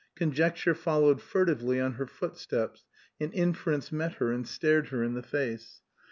Conjecture followed furtively on her footsteps, and inference met her and stared her in the face.